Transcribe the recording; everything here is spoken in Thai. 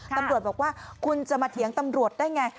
ตำรวจบอกว่าคุณจะมาเถียงตำรวจได้ไง